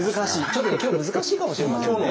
ちょっと今日難しいかもしれませんね。